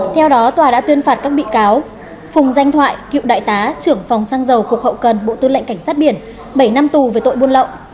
theo đó tòa đã tuyên phạt các bị cáo phùng danh thoại cựu đại tá trưởng phòng xăng dầu cục hậu cần bộ tư lệnh cảnh sát biển bảy năm tù về tội buôn lậu